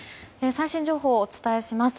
最新情報をお伝えします。